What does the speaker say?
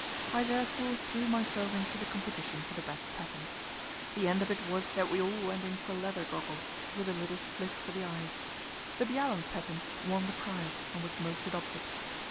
I therefore threw myself into the competition for the best patent. The end of it was that we all went in for leather goggles, with a little slit for the eyes. The Bjaaland patent won the prize, and was most adopted.